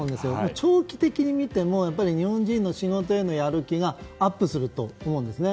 長期的に見ても日本人の仕事へのやる気がアップすると思うんですね。